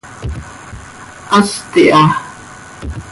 Hast iha.